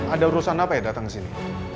ada urusan apa ya dateng kesini